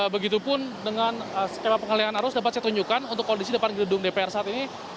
begitupun dengan skema pengalian arus dapat saya tunjukkan untuk kondisi depan gedung dpr saat ini